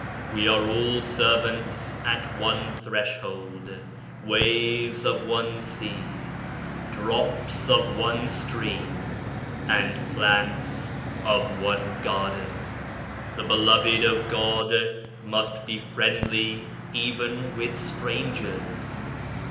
... We are all servants at one Threshold, waves of one sea, drops of one stream, and plants of one garden. ... The beloved of God must be friendly even with strangers.